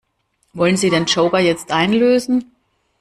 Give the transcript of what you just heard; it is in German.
Wollen Sie den Joker jetzt einlösen?